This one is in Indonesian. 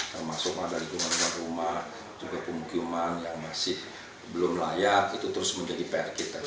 termasuk ada lingkungan rumah juga pemukiman yang masih belum layak itu terus menjadi pr kita